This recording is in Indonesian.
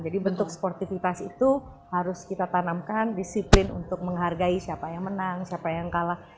jadi bentuk sportifitas itu harus kita tanamkan disiplin untuk menghargai siapa yang menang siapa yang kalah